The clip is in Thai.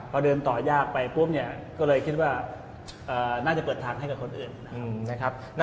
พอเดินต่อยากไปก็เลยคิดว่าน่าจะเปิดทางให้กับคนอื่น